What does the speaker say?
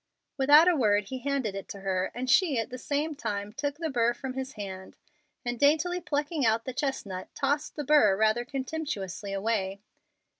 Without a word he handed it to her, and she at the same time took the burr from his hand, and daintily plucking out the chestnut tossed the burr rather contemptuously away.